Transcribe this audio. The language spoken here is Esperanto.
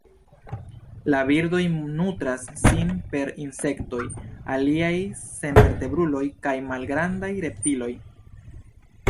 La birdoj nutras sin per insektoj, aliaj senvertebruloj kaj malgrandaj reptilioj.